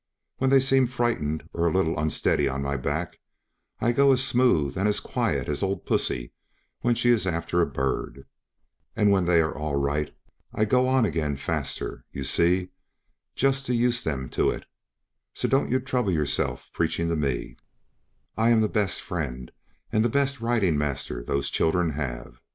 When they seem frightened or a little unsteady on my back, I go as smooth and as quiet as old pussy when she is after a bird; and when they are all right I go on again faster, you see, just to use them to it; so don't you trouble yourself preaching to me; I am the best friend and the best riding master those children have.